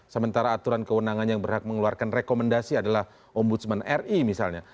sementara aturan kewenangan yang berhak mengeluarkan rekomendasi adalah ombudsman ri misalnya